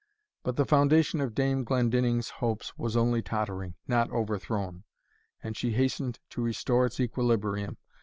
But the foundation of Dame Glendinning's hopes was only tottering, not overthrown, and she hastened to restore its equilibrium.